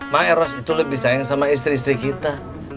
miros itu lebih sayang sama istri istri kita